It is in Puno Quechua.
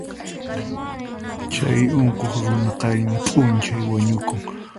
Chay unquq runa qayna p'unchay wañukun.